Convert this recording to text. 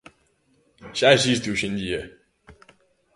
Xa existe hoxe en día.